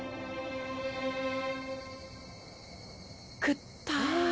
・食った。